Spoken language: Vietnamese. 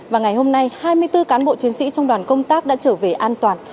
và ngày hôm nay hai mươi bốn cán bộ chiến sĩ trong đoàn công tác đã trở về an toàn